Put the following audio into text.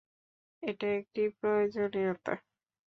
এটা একটি প্রয়োজনীয়তা।